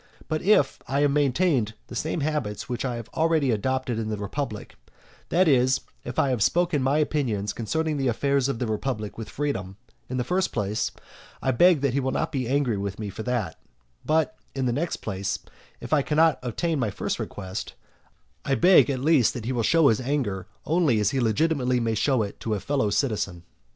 But if I have maintained the same habits that I have already adopted in the republic, that is, if I have spoken my opinions concerning the affairs of the republic with freedom, in the first place, I beg that he will not be angry with me for that; but, in the next place, if I cannot obtain my first request, I beg at least that he will show his anger only as he legitimately may show it to a fellow citizen.